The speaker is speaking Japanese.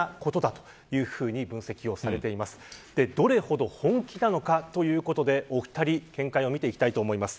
どれほど本気なのかということでお二人の見解を見ていきたいと思います。